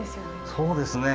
そうですね。